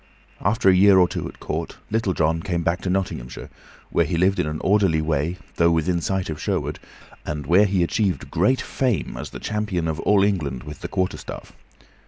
After a year or two at court Little John came back to Nottinghamshire, where he lived in an orderly way, though within sight of Sherwood, and where he achieved great fame as the champion of all England with the quarterstaff.